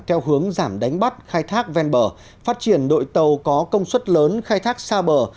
theo hướng giảm đánh bắt khai thác ven bờ phát triển đội tàu có công suất lớn khai thác xa bờ